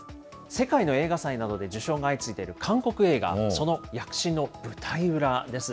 世界の映画祭などで受賞が相次いでいる韓国映画、その舞台裏です。